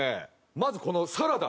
まずこのサラダ。